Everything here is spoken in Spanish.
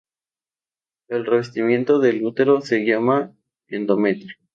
El revestimiento del útero se llama endometrio.